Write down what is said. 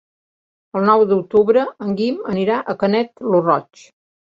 El nou d'octubre en Guim anirà a Canet lo Roig.